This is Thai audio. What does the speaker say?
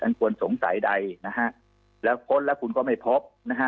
ควรสงสัยใดนะฮะแล้วค้นแล้วคุณก็ไม่พบนะฮะ